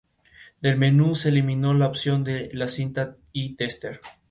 Del menú se eliminó la opción de la cinta y Tester.